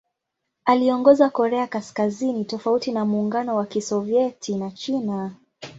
Aliongoza Korea Kaskazini tofauti na Muungano wa Kisovyeti na China.